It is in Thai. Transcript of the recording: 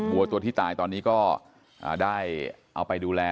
วัวตัวที่ตายตอนนี้ก็ได้เอาไปดูแล